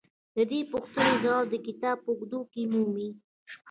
د دې پوښتنې ځواب د کتاب په اوږدو کې مومئ.